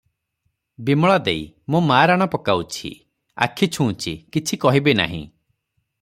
ବିମଳା ଦେଈ - ମୋ ମା ରାଣ ପକାଉଛି, ଆଖି ଛୁଉଁଛି, କିଛି କହିବି ନାହିଁ ।